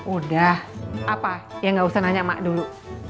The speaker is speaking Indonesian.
udah apa yang gak usah nanya emak dulu